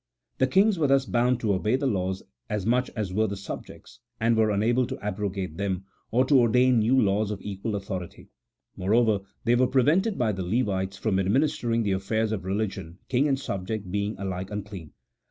The kings were thus bound to obey the laws as much as were the subjects, and were un able to abrogate them, or to ordain new laws of equal authority ; moreover, they were prevented by the Levites from administering the affairs of religion, king and subject being alike unclean.